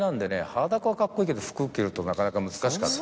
裸は格好いいけど服着るとなかなか難しかった。